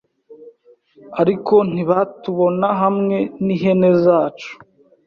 Ariko ntibatubona hamwe nihene zacu